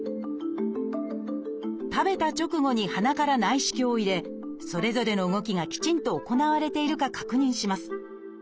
食べた直後に鼻から内視鏡を入れそれぞれの動きがきちんと行われているか確認します。